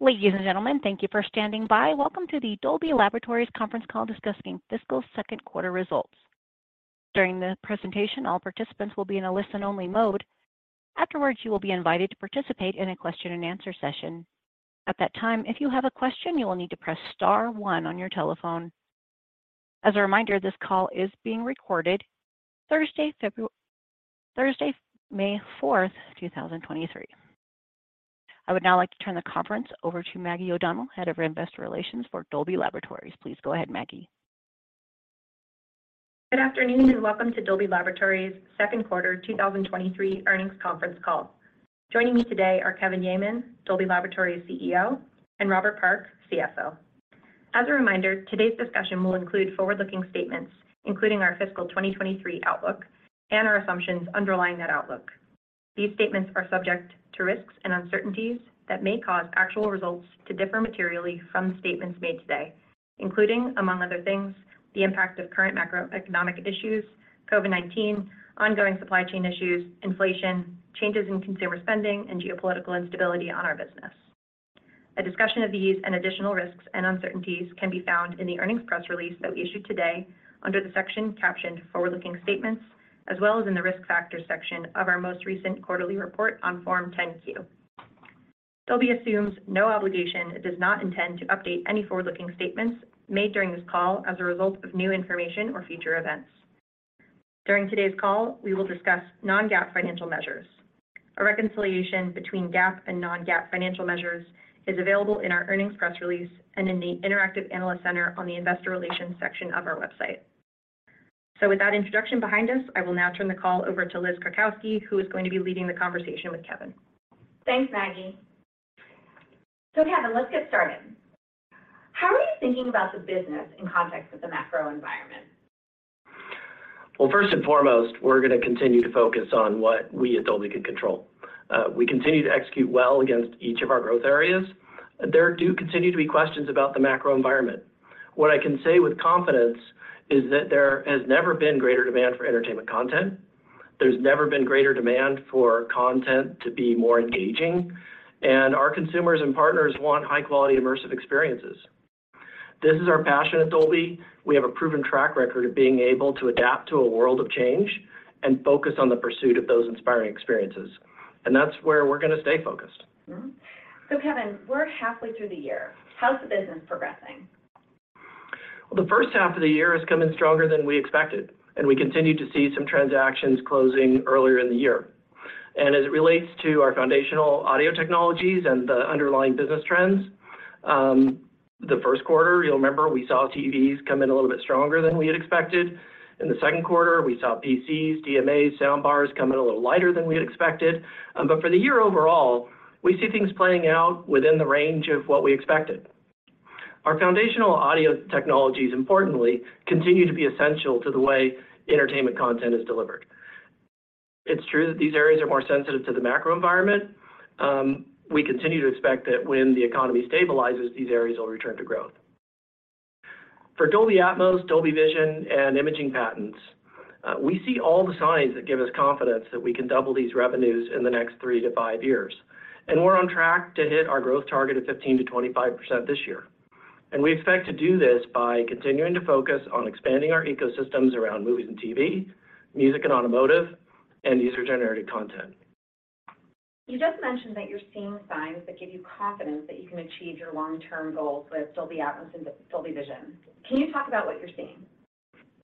Ladies and gentlemen, thank you for standing by. Welcome to the Dolby Laboratories conference call discussing fiscal Q2 results. During the presentation, all participants will be in a listen-only mode. Afterwards, you will be invited to participate in a question-and-answer session. At that time, if you have a question, you will need to press star one on your telephone. As a reminder, this call is being recorded Thursday, May 4, 2023. I would now like to turn the conference over to Maggie O'Donnell, Head of Investor Relations for Dolby Laboratories. Please go ahead, Maggie. Good afternoon, welcome to Dolby Laboratories' Q2 2023 earnings conference call. Joining me today are Kevin Yeaman, Dolby Laboratories' CEO, and Robert Park, CFO. As a reminder, today's discussion will include forward-looking statements, including our fiscal 2023 outlook and our assumptions underlying that outlook. These statements are subject to risks and uncertainties that may cause actual results to differ materially from the statements made today, including, among other things, the impact of current macroeconomic issues, COVID-19, ongoing supply chain issues, inflation, changes in consumer spending, and geopolitical instability on our business. A discussion of these and additional risks and uncertainties can be found in the earnings press release that we issued today under the section captioned Forward-Looking Statements, as well as in the Risk Factors section of our most recent quarterly report on Form 10-Q. Dolby assumes no obligation and does not intend to update any forward-looking statements made during this call as a result of new information or future events. During today's call, we will discuss non-GAAP financial measures. A reconciliation between GAAP and non-GAAP financial measures is available in our earnings press release and in the Interactive Analyst Center on the Investor Relations section of our website. With that introduction behind us, I will now turn the call over to Liz Krukowski, who is going to be leading the conversation with Kevin. Thanks, Maggie. Kevin, let's get started. How are you thinking about the business in context of the macro environment? Well, first and foremost, we're gonna continue to focus on what we at Dolby can control. We continue to execute well against each of our growth areas. There do continue to be questions about the macro environment. What I can say with confidence is that there has never been greater demand for entertainment content. There's never been greater demand for content to be more engaging, and our consumers and partners want high-quality immersive experiences. This is our passion at Dolby. We have a proven track record of being able to adapt to a world of change and focus on the pursuit of those inspiring experiences, and that's where we're gonna stay focused. Mm-hmm. Kevin, we're halfway through the year. How's the business progressing? Well, the first half of the year has come in stronger than we expected, and we continue to see some transactions closing earlier in the year. As it relates to our foundational audio technologies and the underlying business trends, the Q1, you'll remember we saw TVs come in a little bit stronger than we had expected. In the Q2, we saw PCs, DMAs, soundbars come in a little lighter than we had expected. For the year overall, we see things playing out within the range of what we expected. Our foundational audio technologies, importantly, continue to be essential to the way entertainment content is delivered. It's true that these areas are more sensitive to the macro environment. We continue to expect that when the economy stabilizes, these areas will return to growth. For Dolby Atmos, Dolby Vision, and imaging patents, we see all the signs that give us confidence that we can double these revenues in the next three to five years, and we're on track to hit our growth target of 15%-25% this year. We expect to do this by continuing to focus on expanding our ecosystems around movies and TV, music and automotive, and user-generated content. You just mentioned that you're seeing signs that give you confidence that you can achieve your long-term goals with Dolby Atmos and Dolby Vision. Can you talk about what you're seeing?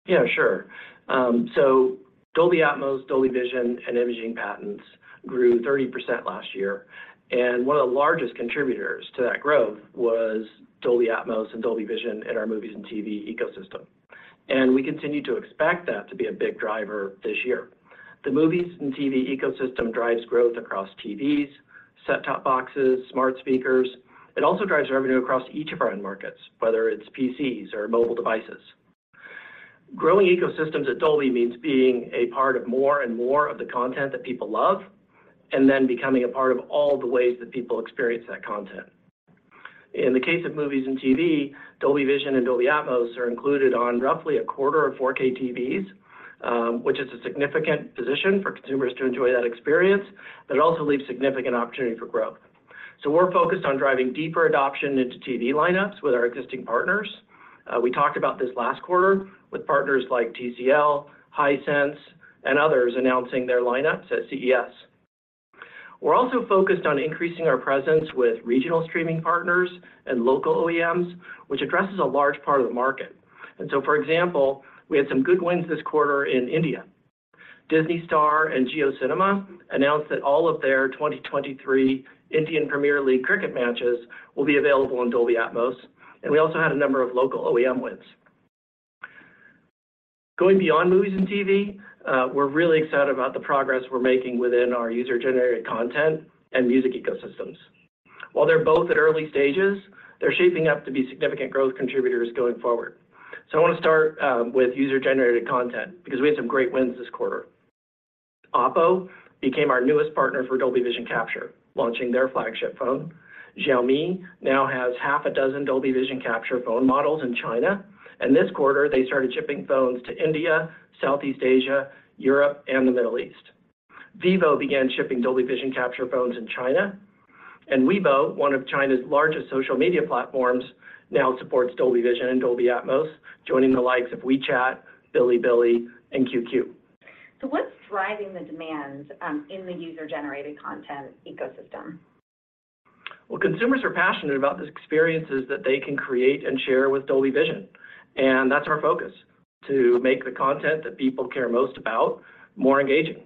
Yeah, sure. Dolby Atmos, Dolby Vision, and imaging patents grew 30% last year, and one of the largest contributors to that growth was Dolby Atmos and Dolby Vision in our movies and TV ecosystem. We continue to expect that to be a big driver this year. The movies and TV ecosystem drives growth across TVs, set-top boxes, smart speakers. It also drives revenue across each of our end markets, whether it's PCs or mobile devices. Growing ecosystems at Dolby means being a part of more and more of the content that people love and then becoming a part of all the ways that people experience that content. In the case of movies and TV, Dolby Vision and Dolby Atmos are included on roughly a quarter of 4K TVs, which is a significant position for consumers to enjoy that experience, it also leaves significant opportunity for growth. We're focused on driving deeper adoption into TV lineups with our existing partners. We talked about this last quarter with partners like TCL, Hisense, and others announcing their lineups at CES. We're also focused on increasing our presence with regional streaming partners and local OEMs, which addresses a large part of the market. For example, we had some good wins this quarter in India. Disney Star and JioCinema announced that all of their 2023 Indian Premier League cricket matches will be available on Dolby Atmos, and we also had a number of local OEM wins. Going beyond movies and TV, we're really excited about the progress we're making within our user-generated content and music ecosystems. While they're both at early stages, they're shaping up to be significant growth contributors going forward. I wanna start with user-generated content because we had some great wins this quarter. Oppo became our newest partner for Dolby Vision Capture, launching their flagship phone. Xiaomi now has half a dozen Dolby Vision Capture phone models in China, and this quarter they started shipping phones to India, Southeast Asia, Europe, and the Middle East. Vivo began shipping Dolby Vision Capture phones in China, and Weibo, one of China's largest social media platforms, now supports Dolby Vision and Dolby Atmos, joining the likes of WeChat, Bilibili, and QQ. What's driving the demand in the user-generated content ecosystem? Consumers are passionate about the experiences that they can create and share with Dolby Vision, and that's our focus: to make the content that people care most about more engaging.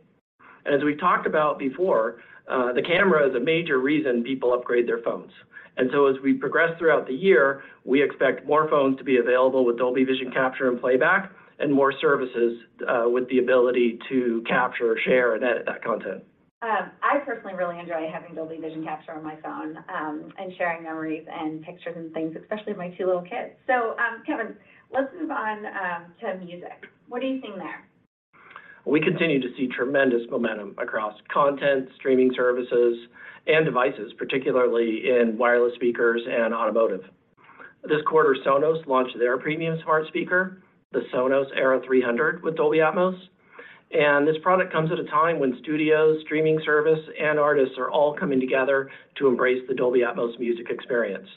As we've talked about before, the camera is a major reason people upgrade their phones. As we progress throughout the year, we expect more phones to be available with Dolby Vision capture and playback and more services with the ability to capture, share, and edit that content. I personally really enjoy having Dolby Vision Capture on my phone, and sharing memories and pictures and things, especially of my two little kids. Kevin, let's move on to music. What are you seeing there? We continue to see tremendous momentum across content, streaming services, and devices, particularly in wireless speakers and automotive. This quarter, Sonos launched their premium smart speaker, the Sonos Era 300 with Dolby Atmos, and this product comes at a time when studios, streaming services, and artists are all coming together to embrace the Dolby Atmos music experience.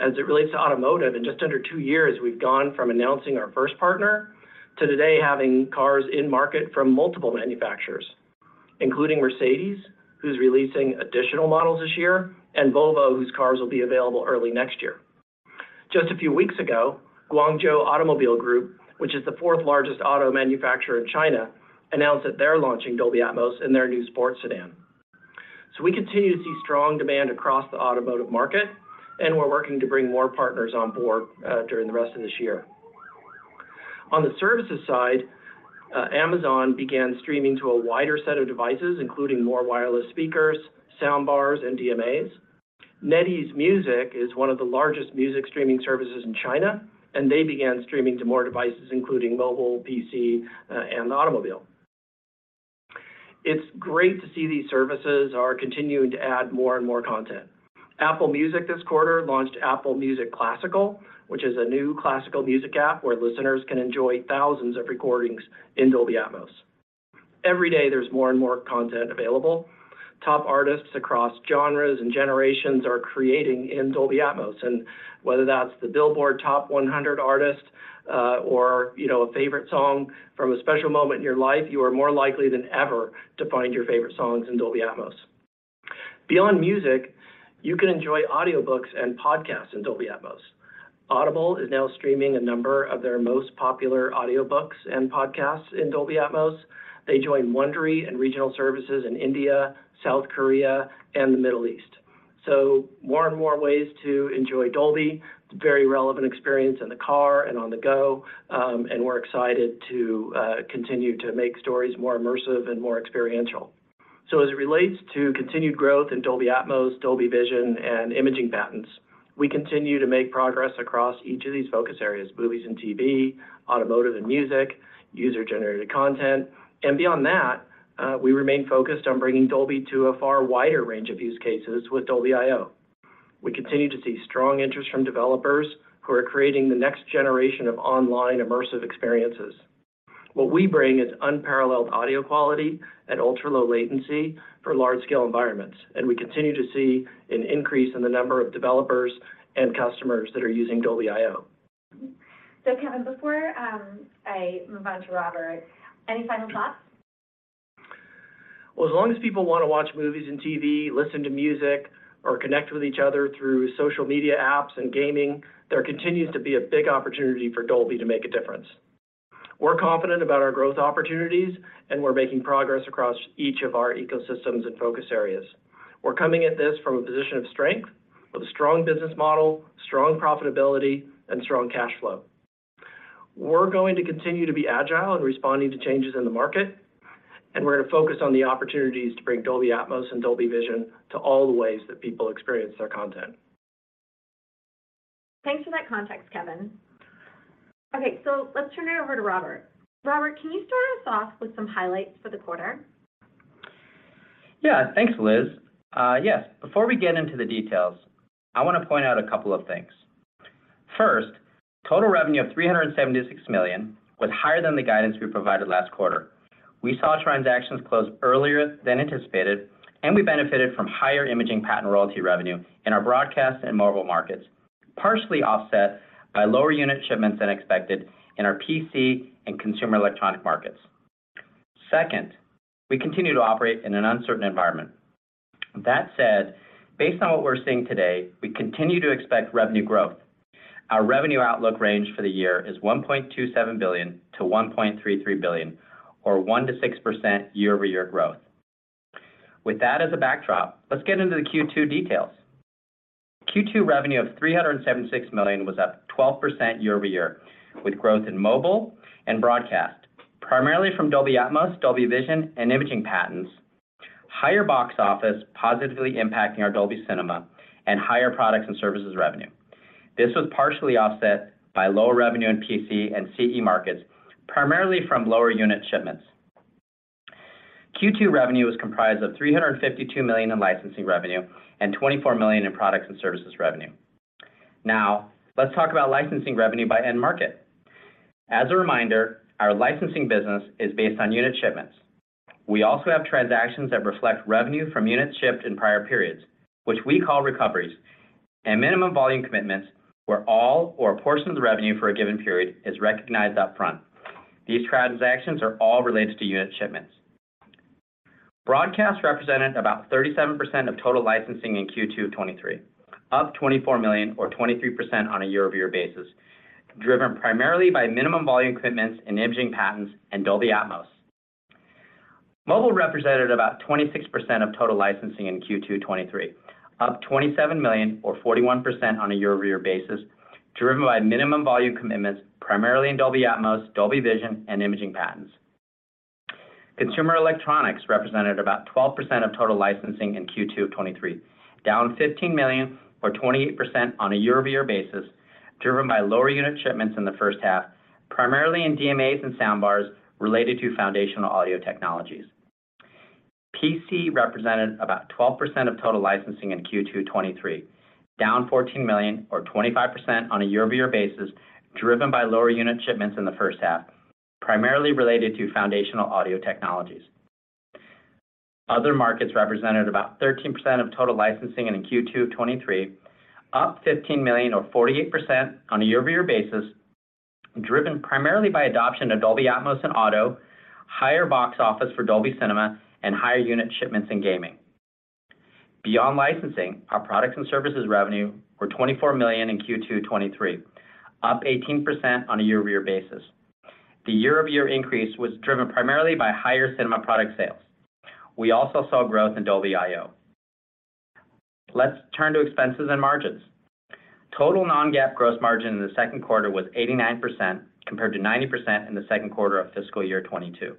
As it relates to automotive, in just under two years, we've gone from announcing our first partner to today having cars in-market from multiple manufacturers, including Mercedes, who's releasing additional models this year, and Volvo, whose cars will be available early next year. Just a few weeks ago, Guangzhou Automobile Group, which is the fourth largest auto manufacturer in China, announced that they're launching Dolby Atmos in their new sports sedan. We continue to see strong demand across the automotive market, and we're working to bring more partners on board during the rest of this year. On the services side, Amazon began streaming to a wider set of devices, including more wireless speakers, sound bars, and DMAs. NetEase Music is one of the largest music streaming services in China, and they began streaming to more devices, including mobile, PC, and automobile. It's great to see these services are continuing to add more and more content. Apple Music this quarter launched Apple Music Classical, which is a new classical music app where listeners can enjoy thousands of recordings in Dolby Atmos. Every day, there's more and more content available. Top artists across genres and generations are creating in Dolby Atmos, and whether that's the Billboard top 100 artist, or, you know, a favorite song from a special moment in your life, you are more likely than ever to find your favorite songs in Dolby Atmos. Beyond music, you can enjoy audiobooks and podcasts in Dolby Atmos. Audible is now streaming a number of their most popular audiobooks and podcasts in Dolby Atmos. They join Wondery and regional services in India, South Korea, and the Middle East. More and more ways to enjoy Dolby. It's a very relevant experience in the car and on the go, and we're excited to continue to make stories more immersive and more experiential. As it relates to continued growth in Dolby Atmos, Dolby Vision, and imaging patents, we continue to make progress across each of these focus areas: movies and TV, automotive and music, user-generated content. Beyond that, we remain focused on bringing Dolby to a far wider range of use cases with Dolby.io. We continue to see strong interest from developers who are creating the next generation of online immersive experiences. What we bring is unparalleled audio quality and ultra-low latency for large-scale environments, and we continue to see an increase in the number of developers and customers that are using Dolby.io. Kevin, before I move on to Robert, any final thoughts? Well, as long as people wanna watch movies and TV, listen to music, or connect with each other through social media apps and gaming, there continues to be a big opportunity for Dolby to make a difference. We're confident about our growth opportunities, and we're making progress across each of our ecosystems and focus areas. We're coming at this from a position of strength with a strong business model, strong profitability, and strong cash flow. We're going to continue to be agile in responding to changes in the market, and we're gonna focus on the opportunities to bring Dolby Atmos and Dolby Vision to all the ways that people experience their content. Thanks for that context, Kevin. Okay, let's turn it over to Robert. Robert, can you start us off with some highlights for the quarter? Thanks, Liz. Yes, before we get into the details, I wanna point out a couple of things. First, total revenue of $376 million was higher than the guidance we provided last quarter. We saw transactions close earlier than anticipated, and we benefited from higher imaging patent royalty revenue in our broadcast and mobile markets, partially offset by lower unit shipments than expected in our PC and consumer electronic markets. Second, we continue to operate in an uncertain environment. That said, based on what we're seeing today, we continue to expect revenue growth. Our revenue outlook range for the year is $1.27 billion-$1.33 billion or 1%-6% year-over-year growth. With that as a backdrop, let's get into the Q2 details. Q2 revenue of $376 million was up 12% year-over-year with growth in mobile and broadcast, primarily from Dolby Atmos, Dolby Vision, and imaging patents, higher box office positively impacting our Dolby Cinema, and higher products and services revenue. This was partially offset by lower revenue in PC and CE markets, primarily from lower unit shipments. Q2 revenue was comprised of $352 million in licensing revenue and $24 million in products and services revenue. Let's talk about licensing revenue by end market. As a reminder, our licensing business is based on unit shipments. We also have transactions that reflect revenue from units shipped in prior periods, which we call recoveries, and minimum volume commitments where all or a portion of the revenue for a given period is recognized upfront. These transactions are all related to unit shipments. Broadcast represented about 37% of total licensing in Q2 2023, up $24 million or 23% on a year-over-year basis, driven primarily by minimum volume commitments in imaging patents and Dolby Atmos. Mobile represented about 26% of total licensing in Q2 2023, up $27 million or 41% on a year-over-year basis, driven by minimum volume commitments primarily in Dolby Atmos, Dolby Vision and imaging patents. Consumer electronics represented about 12% of total licensing in Q2 2023, down $15 million or 28% on a year-over-year basis, driven by lower unit shipments in the first half, primarily in DMAs and soundbars related to foundational audio technologies. PC represented about 12% of total licensing in Q2 2023, down $14 million or 25% on a year-over-year basis, driven by lower unit shipments in the first half, primarily related to foundational audio technologies. Other markets represented about 13% of total licensing in Q2 of 2023, up $15 million or 48% on a year-over-year basis, driven primarily by adoption of Dolby Atmos and Auto, higher box office for Dolby Cinema and higher unit shipments in gaming. Beyond licensing, our products and services revenue were $24 million in Q2 2023, up 18% on a year-over-year basis. The year-over-year increase was driven primarily by higher cinema product sales. We also saw growth in Dolby.io. Let's turn to expenses and margins. Total non-GAAP gross margin in the Q2 was 89%, compared to 90% in the Q2 of fiscal year 2022.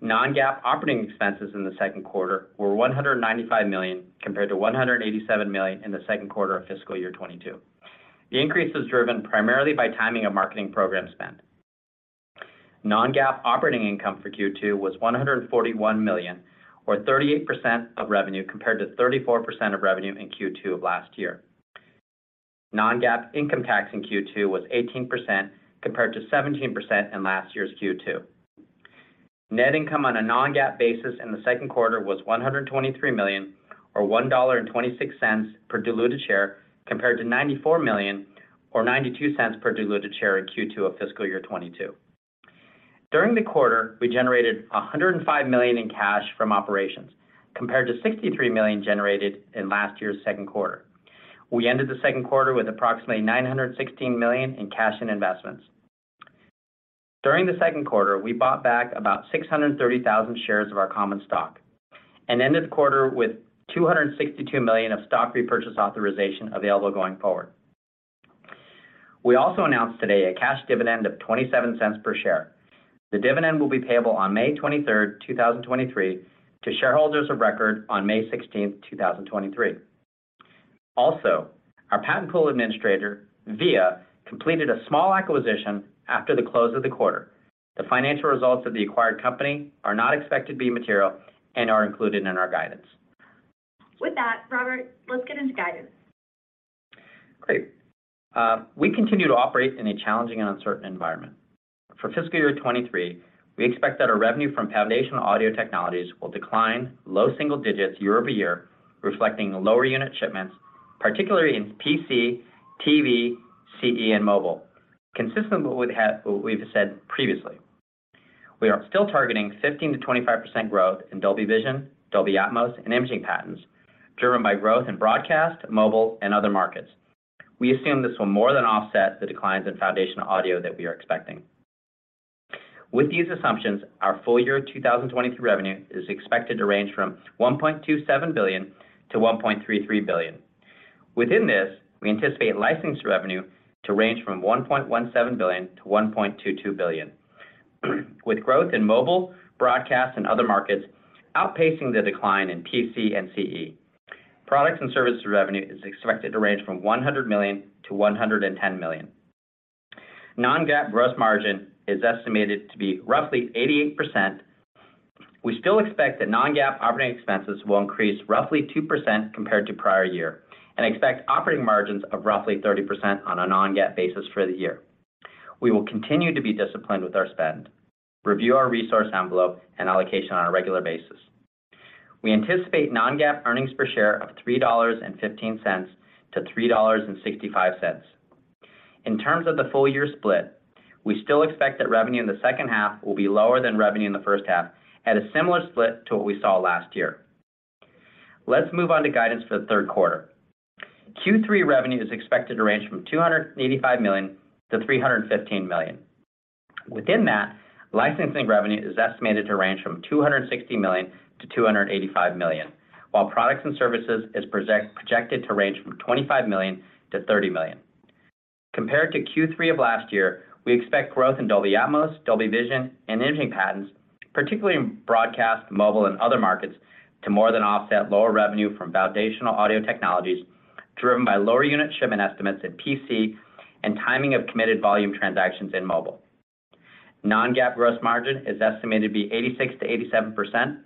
Non-GAAP operating expenses in the Q2 were $195 million, compared to $187 million in the Q2 of fiscal year 2022. The increase was driven primarily by timing of marketing program spend. Non-GAAP operating income for Q2 was $141 million or 38% of revenue, compared to 34% of revenue in Q2 of last year. Non-GAAP income tax in Q2 was 18% compared to 17% in last year's Q2. Net income on a non-GAAP basis in the Q2 was $123 million, or $1.26 per diluted share, compared to $94 million or $0.92 per diluted share in Q2 of fiscal year 2022. During the quarter, we generated $105 million in cash from operations, compared to $63 million generated in last year's Q2. We ended the Q2 with approximately $916 million in cash and investments. During the Q2, we bought back about 630,000 shares of our common stock and ended the quarter with $262 million of stock repurchase authorization available going forward. We also announced today a cash dividend of $0.27 per share. The dividend will be payable on May 23, 2023 to shareholders of record on May 16, 2023. Also, our patent pool administrator, VIA, completed a small acquisition after the close of the quarter. The financial results of the acquired company are not expected to be material and are included in our guidance. With that, Robert, let's get into guidance. Great. We continue to operate in a challenging and uncertain environment. For fiscal year 2023, we expect that our revenue from foundational audio technologies will decline low single digits year-over-year, reflecting lower unit shipments, particularly in PC, TV, CE and mobile. Consistent with what we've said previously, we are still targeting 15%-25% growth in Dolby Vision, Dolby Atmos and imaging patents driven by growth in broadcast, mobile and other markets. We assume this will more than offset the declines in foundational audio that we are expecting. With these assumptions, our full year 2023 revenue is expected to range from $1.27 billion-$1.33 billion. Within this, we anticipate licensed revenue to range from $1.17 billion-$1.22 billion. With growth in mobile, broadcast and other markets outpacing the decline in PC and CE, Products and services revenue is expected to range from $100 million-$110 million. Non-GAAP gross margin is estimated to be roughly 88%. We still expect that non-GAAP operating expenses will increase roughly 2% compared to prior year and expect operating margins of roughly 30% on a non-GAAP basis for the year. We will continue to be disciplined with our spend, review our resource envelope and allocation on a regular basis. We anticipate non-GAAP earnings per share of $3.15-$3.65. In terms of the full year split, we still expect that revenue in the second half will be lower than revenue in the first half at a similar split to what we saw last year. Let's move on to guidance for the Q3. Q3 revenue is expected to range from $285 million-$315 million. Within that, licensing revenue is estimated to range from $260 million-$285 million, while products and services is projected to range from $25 million-$30 million. Compared to Q3 of last year, we expect growth in Dolby Atmos, Dolby Vision and imaging patents, particularly in broadcast, mobile and other markets, to more than offset lower revenue from foundational audio technologies, driven by lower unit shipment estimates in PC and timing of committed volume transactions in mobile. Non-GAAP gross margin is estimated to be 86%-87%.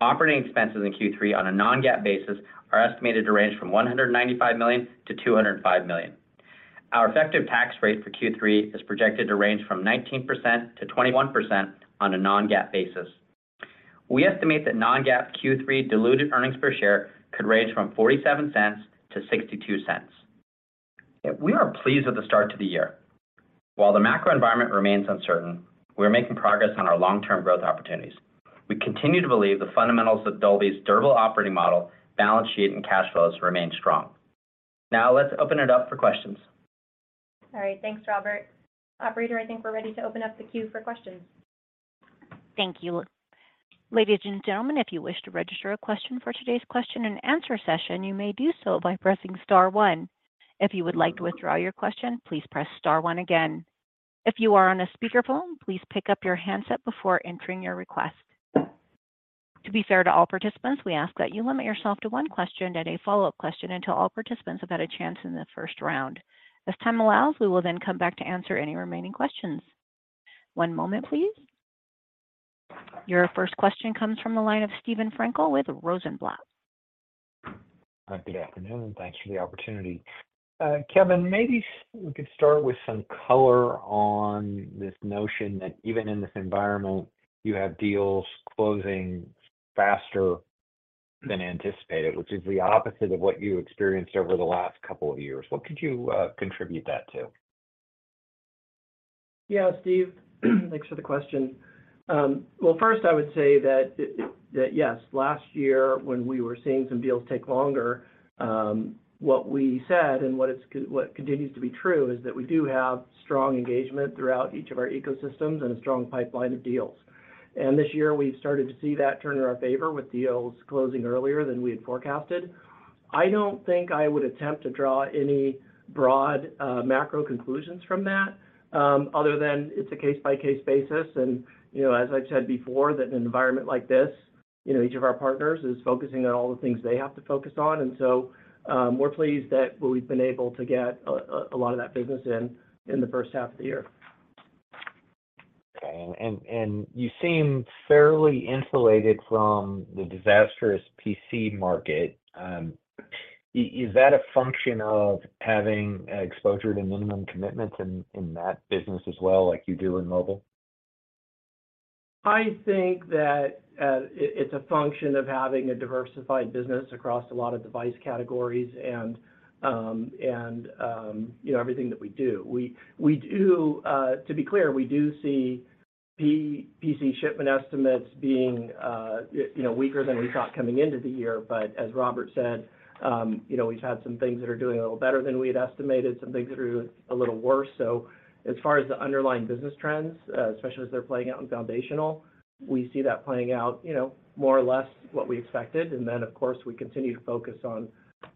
Operating expenses in Q3 on a non-GAAP basis are estimated to range from $195 million-$205 million. Our effective tax rate for Q3 is projected to range from 19%-21% on a non-GAAP basis. We estimate that non-GAAP Q3 diluted earnings per share could range from $0.47-$0.62. We are pleased with the start to the year. While the macro environment remains uncertain, we're making progress on our long-term growth opportunities. We continue to believe the fundamentals of Dolby's durable operating model, balance sheet and cash flows remain strong. Let's open it up for questions. All right. Thanks, Robert. Operator, I think we're ready to open up the queue for questions. Thank you. Ladies and gentlemen, if you wish to register a question for today's question and answer session, you may do so by pressing star one. If you would like to withdraw your question, please press star one again. If you are on a speakerphone, please pick up your handset before entering your request. To be fair to all participants, we ask that you limit yourself to one question and a follow-up question until all participants have had a chance in the first round. If time allows, we will come back to answer any remaining questions. One moment, please. Your first question comes from the line of Steven Frankel with Rosenblatt. Good afternoon. Thanks for the opportunity. Kevin, maybe we could start with some color on this notion that even in this environment, you have deals closing faster than anticipated, which is the opposite of what you experienced over the last couple of years. What could you contribute that to? Yeah, Steve. Thanks for the question. Well, first I would say that yes, last year when we were seeing some deals take longer, what we said and what continues to be true, is that we do have strong engagement throughout each of our ecosystems and a strong pipeline of deals. This year, we've started to see that turn in our favor with deals closing earlier than we had forecasted. I don't think I would attempt to draw any broad macro conclusions from that, other than it's a case-by-case basis. You know, as I've said before, that an environment like this, you know, each of our partners is focusing on all the things they have to focus on. We're pleased that we've been able to get a lot of that business in the first half of the year. Okay. You seem fairly insulated from the disastrous PC market. Is that a function of having exposure to minimum commitments in that business as well, like you do in mobile? I think that, it's a function of having a diversified business across a lot of device categories and, you know, everything that we do. We do, to be clear, we do see PC shipment estimates being, you know, weaker than we thought coming into the year. As Robert said, you know, we've had some things that are doing a little better than we had estimated, some things that are doing a little worse. As far as the underlying business trends, especially as they're playing out in foundational, we see that playing out, you know, more or less what we expected. Of course, we continue to focus on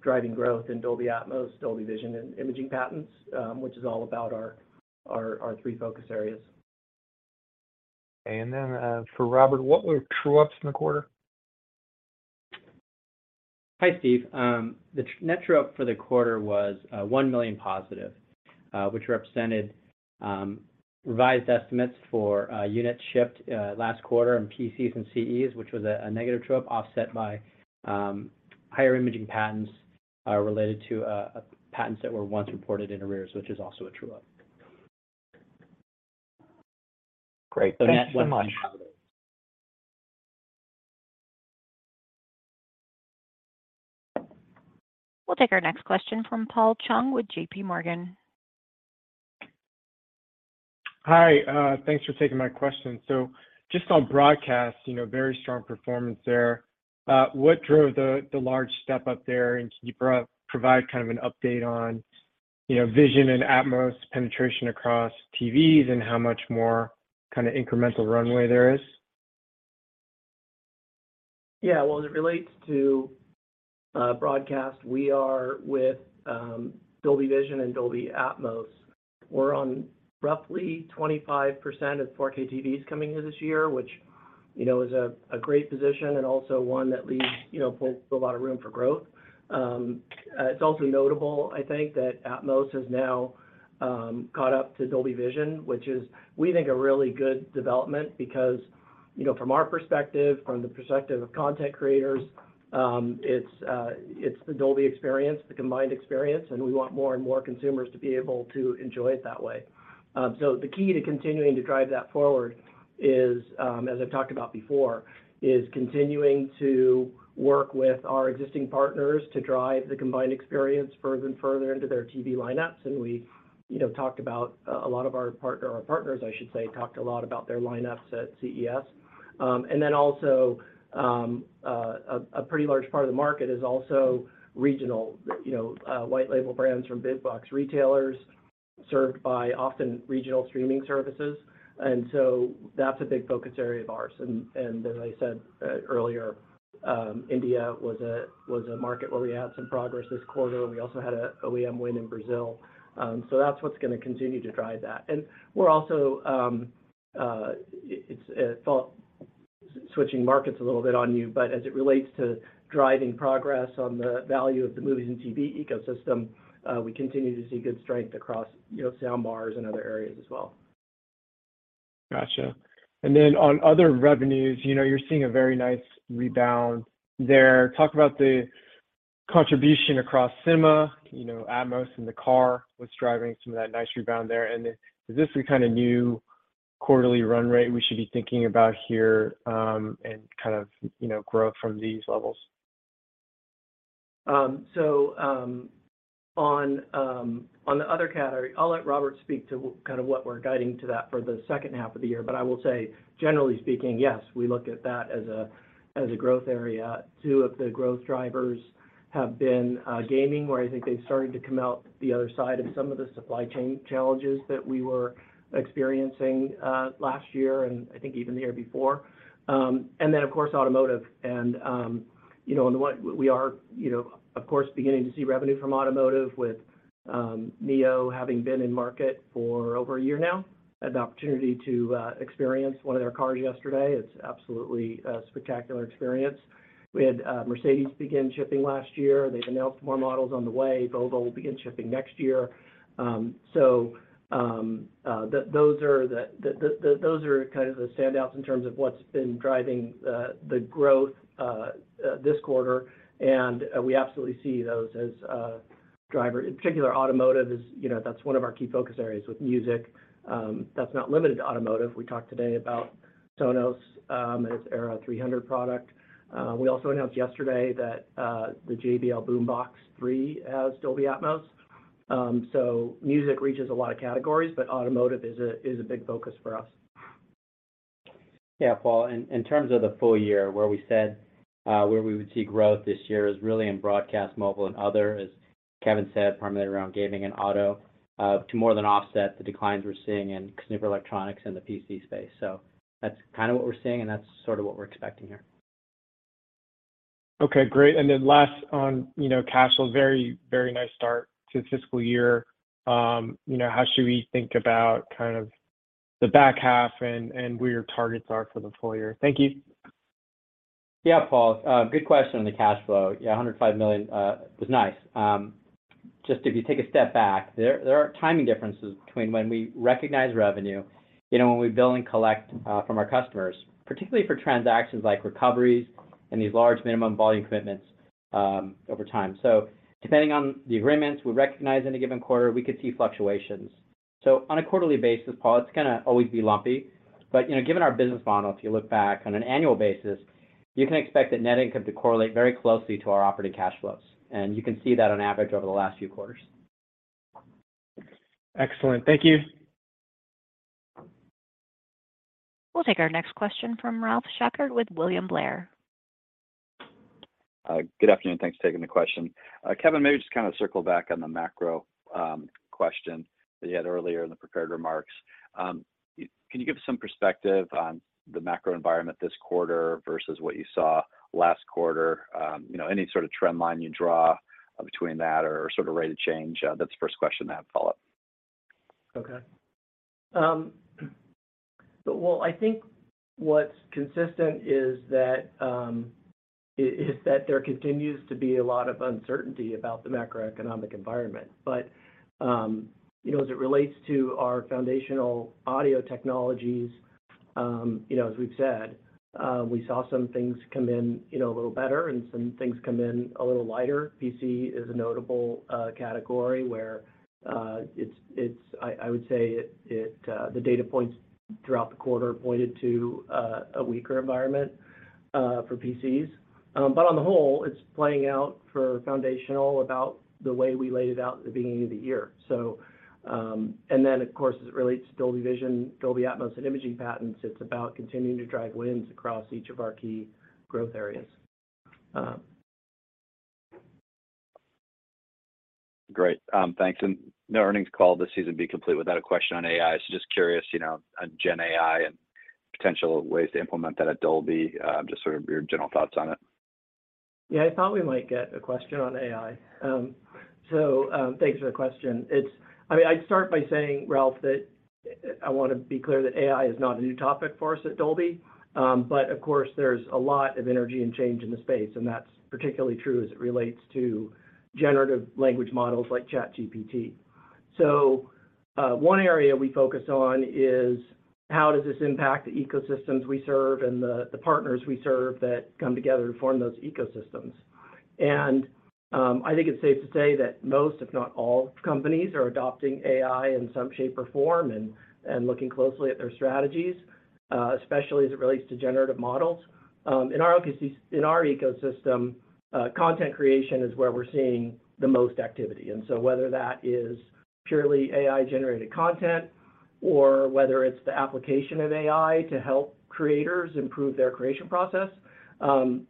driving growth in Dolby Atmos, Dolby Vision and imaging patents, which is all about our three focus areas. Okay. Then, for Robert, what were true-ups in the quarter? Hi, Steve. The net true-up for the quarter was $1 million positive, which represented revised estimates for units shipped last quarter in PCs and CEs, which was a negative true-up offset by higher imaging patents related to patents that were once reported in arrears, which is also a true-up. Great. Thanks so much. net one point positive. We'll take our next question from Paul Chung with JP Morgan. Hi. Thanks for taking my question. Just on broadcast, you know, very strong performance there. What drove the large step up there? Can you provide kind of an update on, you know, Vision and Atmos penetration across TVs and how much more kinda incremental runway there is? Well, as it relates to broadcast, we are with Dolby Vision and Dolby Atmos. We're on roughly 25% of 4K TVs coming in this year, which, you know, is a great position and also one that leaves, you know, a lot of room for growth. It's also notable I think, that Atmos has now caught up to Dolby Vision, which is, we think, a really good development because, you know, from our perspective, from the perspective of content creators, it's the Dolby experience, the combined experience, and we want more and more consumers to be able to enjoy it that way. The key to continuing to drive that forward is, as I've talked about before, is continuing to work with our existing partners to drive the combined experience further and further into their TV lineups. We, you know, talked about a lot of our partner or partners I should say, talked a lot about their lineups at CES. Also, a pretty large part of the market is also regional, you know, white label brands from big box retailers served by often regional streaming services. That's a big focus area of ours. As I said, earlier, India was a market where we had some progress this quarter. We also had a OEM win in Brazil. That's what's gonna continue to drive that. We're also Switching markets a little bit on you, but as it relates to driving progress on the value of the movies and TV ecosystem, we continue to see good strength across, you know, sound bars and other areas as well. Gotcha. On other revenues, you know, you're seeing a very nice rebound there. Talk about the contribution across Cinema, you know, Atmos in the car, what's driving some of that nice rebound there? Is this the kinda new quarterly run rate we should be thinking about here, and kind of, you know, grow from these levels? On the other category, I'll let Robert speak to kind of what we're guiding to that for the second half of the year. I will say, generally speaking, yes, we look at that as a growth area. Two of the growth drivers have been gaming, where I think they've started to come out the other side of some of the supply chain challenges that we were experiencing last year, and I think even the year before. Then of course, automotive. You know, and what we are, you know, of course, beginning to see revenue from automotive with NIO having been in market for over one year now. Had an opportunity to experience one of their cars yesterday. It's absolutely a spectacular experience. We had Mercedes begin shipping last year. They've announced more models on the way. Volvo will begin shipping next year. Those are kind of the standouts in terms of what's been driving the growth this quarter. We absolutely see those as driver. In particular, automotive is, you know, that's one of our key focus areas with music. That's not limited to automotive. We talked today about Sonos and its Era 300 product. We also announced yesterday that the JBL Boombox 3 has Dolby Atmos. Music reaches a lot of categories, but automotive is a big focus for us. Yeah, Paul. In terms of the full year where we said, where we would see growth this year is really in broadcast, mobile and other, as Kevin said, primarily around gaming and auto, to more than offset the declines we're seeing in consumer electronics and the PC space. That's kind of what we're seeing, and that's sort of what we're expecting here. Okay, great. Last on, you know, cash flow. Very, very nice start to the fiscal year. You know, how should we think about kind of the back half and where your targets are for the full year? Thank you. Paul. Good question on the cash flow. $105 million was nice. Just if you take a step back, there are timing differences between when we recognize revenue, you know, when we bill and collect from our customers, particularly for transactions like recoveries and these large minimum volume commitments over time. Depending on the agreements we recognize in a given quarter, we could see fluctuations. On a quarterly basis, Paul, it's gonna always be lumpy, but, you know, given our business model, if you look back on an annual basis, you can expect that net income to correlate very closely to our operating cash flows. You can see that on average over the last few quarters. Excellent. Thank you. We'll take our next question from Ralph Schackart with William Blair. Good afternoon. Thanks for taking the question. Kevin, maybe just kinda circle back on the macro question that you had earlier in the prepared remarks. Can you give us some perspective on the macro environment this quarter versus what you saw last quarter? You know, any sort of trend line you draw between that or sort of rate of change? That's the first question. I have follow-up. Well, I think what's consistent is that there continues to be a lot of uncertainty about the macroeconomic environment. You know, as it relates to our foundational audio technologies, you know, as we've said, we saw some things come in, you know, a little better and some things come in a little lighter. PC is a notable category where I would say the data points throughout the quarter pointed to a weaker environment for PCs. On the whole, it's playing out for foundational about the way we laid it out at the beginning of the year. Of course, as it relates to Dolby Vision, Dolby Atmos, and imaging patents, it's about continuing to drive wins across each of our key growth areas. Great. Thanks. No earnings call this season would be complete without a question on AI. Just curious, you know, on GenAI and potential ways to implement that at Dolby, just sort of your general thoughts on it. Yeah, I thought we might get a question on AI. Thanks for the question. I mean, I'd start by saying, Ralph, that I wanna be clear that AI is not a new topic for us at Dolby. Of course, there's a lot of energy and change in the space, and that's particularly true as it relates to generative language models like ChatGPT. One area we focus on is how does this impact the ecosystems we serve and the partners we serve that come together to form those ecosystems. I think it's safe to say that most, if not all companies, are adopting AI in some shape or form and looking closely at their strategies, especially as it relates to generative models. In our ecosystem, content creation is where we're seeing the most activity. Whether that is purely AI-generated content or whether it's the application of AI to help creators improve their creation process,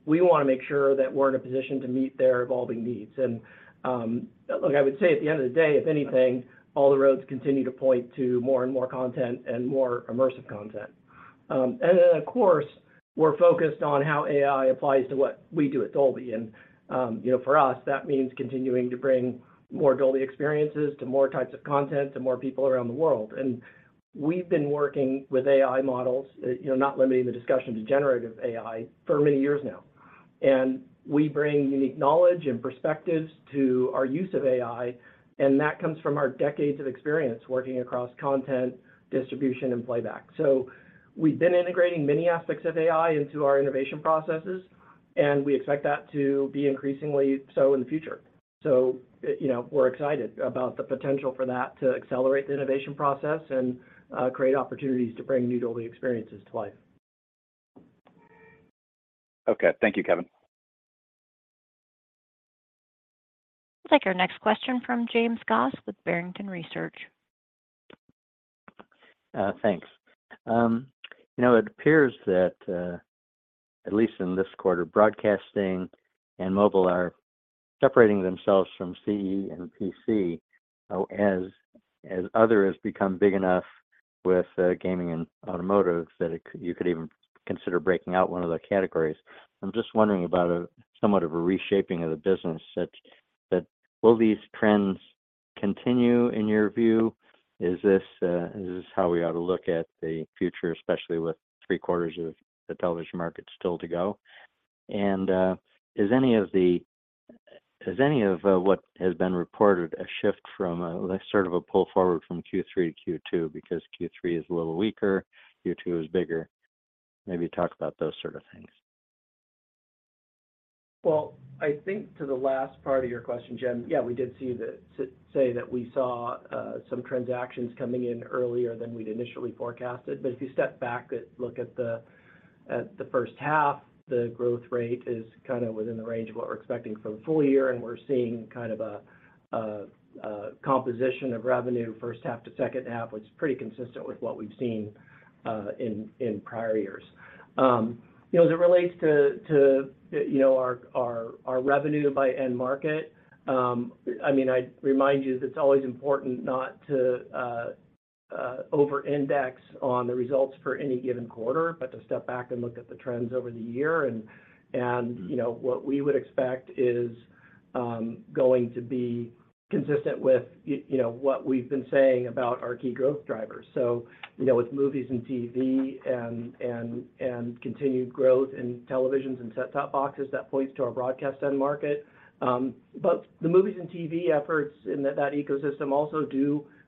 we wanna make sure that we're in a position to meet their evolving needs. Look, I would say at the end of the day, if anything, all the roads continue to point to more and more content and more immersive content. Of course, we're focused on how AI applies to what we do at Dolby. You know, for us, that means continuing to bring more Dolby experiences to more types of content, to more people around the world. We've been working with AI models, you know, not limiting the discussion to generative AI, for many years now. We bring unique knowledge and perspectives to our use of AI, and that comes from our decades of experience working across content, distribution, and playback. We've been integrating many aspects of AI into our innovation processes, and we expect that to be increasingly so in the future. You know, we're excited about the potential for that to accelerate the innovation process and create opportunities to bring new Dolby experiences to life. Okay. Thank you, Kevin. We'll take our next question from James Goss with Barrington Research. Thanks. You know, it appears that, at least in this quarter, broadcasting and mobile are separating themselves from CE and PC, as other has become big enough with gaming and automotive that you could even consider breaking out one of the categories. I'm just wondering about somewhat of a reshaping of the business. Will these trends continue in your view? Is this how we ought to look at the future, especially with three quarters of the television market still to go? Is any of what has been reported a shift from like, sort of a pull forward from Q3 to Q2 because Q3 is a little weaker, Q2 is bigger. Maybe talk about those sort of things. Well, I think to the last part of your question, Jim, yeah, we did say that we saw some transactions coming in earlier than we'd initially forecasted. If you step back look at the first half, the growth rate is kinda within the range of what we're expecting for the full year, and we're seeing kind of a composition of revenue first half to second half, which is pretty consistent with what we've seen in prior years. you know, as it relates to, you know, our revenue by end market, I mean, I'd remind you that it's always important not to over-index on the results for any given quarter, but to step back and look at the trends over the year. You know, what we would expect is going to be consistent with you know, what we've been saying about our key growth drivers. You know, with movies and TV and continued growth in televisions and set-top boxes, that points to our broadcast end market. The movies and TV efforts in that ecosystem also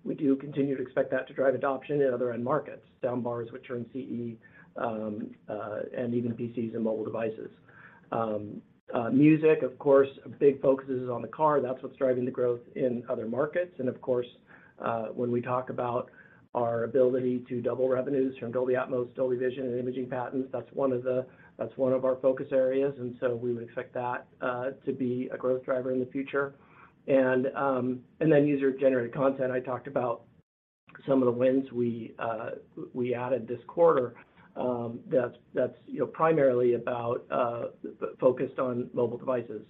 we do continue to expect that to drive adoption in other end markets. Sound bars, which are in CE, and even PCs and mobile devices. Music, of course, a big focus is on the car. That's what's driving the growth in other markets. Of course, when we talk about our ability to double revenues from Dolby Atmos, Dolby Vision, and imaging patents, that's one of our focus areas. We would expect that to be a growth driver in the future. User-generated content, I talked about some of the wins we added this quarter, that's, you know, primarily about focused on mobile devices.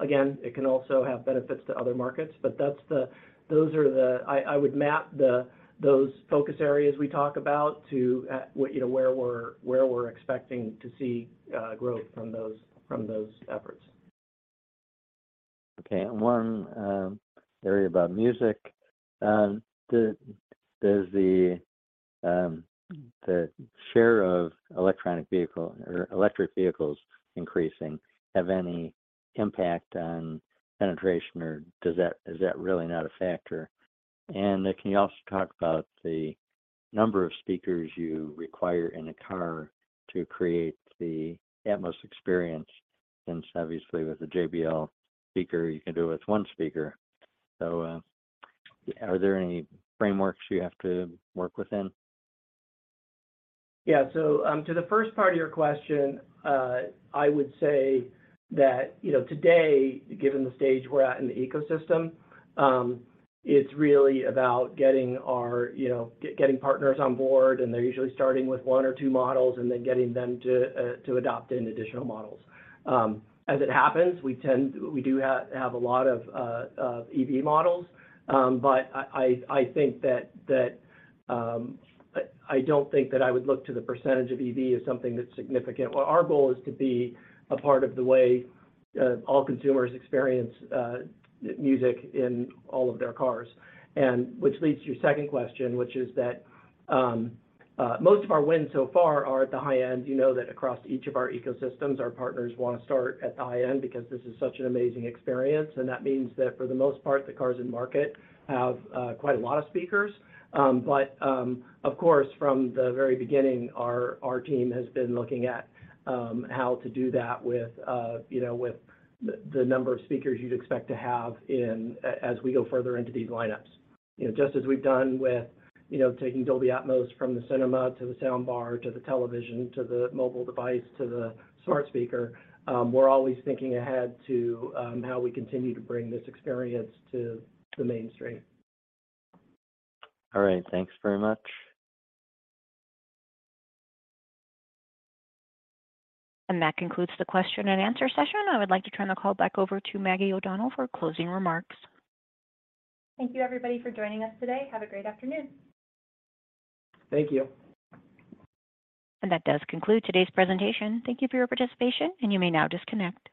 Again, it can also have benefits to other markets, but those are the-- I would map the, those focus areas we talk about to what-- you know, where we're expecting to see growth from those efforts. Okay. One area about music. Does the share of electric vehicles increasing have any impact on penetration or is that really not a factor? Can you also talk about the number of speakers you require in a car to create the Atmos experience? Since obviously with a JBL speaker, you can do it with one speaker. Are there any frameworks you have to work within? Yeah. To the first part of your question, I would say that, you know, today, given the stage we're at in the ecosystem, it's really about getting our, you know, getting partners on board, and they're usually starting with one or two models and then getting them to adopt in additional models. As it happens, we do have a lot of EV models. I think that I don't think that I would look to the percentage of EV as something that's significant. Well, our goal is to be a part of the way all consumers experience music in all of their cars. Which leads to your second question, which is that most of our wins so far are at the high end. You know that across each of our ecosystems, our partners wanna start at the high end because this is such an amazing experience, that means that for the most part, the cars in market have quite a lot of speakers. Of course, from the very beginning, our team has been looking at how to do that with, you know, the number of speakers you'd expect to have as we go further into these lineups. You know, just as we've done with, you know, taking Dolby Atmos from the cinema to the soundbar, to the television, to the mobile device, to the smart speaker, we're always thinking ahead to how we continue to bring this experience to the mainstream. All right. Thanks very much. That concludes the question and answer session. I would like to turn the call back over to Maggie O'Donnell for closing remarks. Thank you, everybody, for joining us today. Have a great afternoon. Thank you. That does conclude today's presentation. Thank you for your participation, and you may now disconnect.